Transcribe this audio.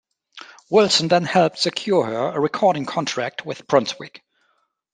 Wilson then helped secure her a recording contract with Brunswick.